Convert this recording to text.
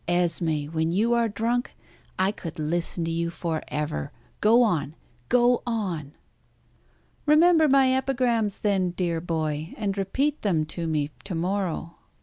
Esmé, when you are drunk, I could listen to you for ever. Go on go on!" "Remember my epigrams then, dear boy, and repeat them to me to morrow.